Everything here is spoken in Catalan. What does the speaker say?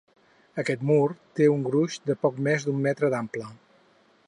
Aquest mur té un gruix de poc més d'un metre d'ample.